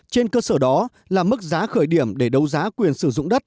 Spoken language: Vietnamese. trên cơ sở đó là mức giá khởi điểm để đấu giá quyền sử dụng đất